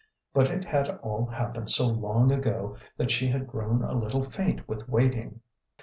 But it had all happened so long ago that she had grown a little faint with waiting.